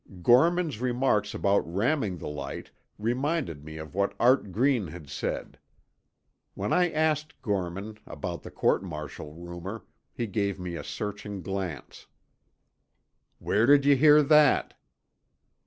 Gorman's remarks about ramming the light reminded me of what Art Green had said. When I asked Gorman about the court martial rumor, he gave me a searching glance. "Where did you hear that?"